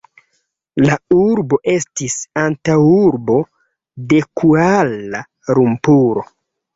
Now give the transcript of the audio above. La urbo estis antaŭurbo de Kuala-Lumpuro.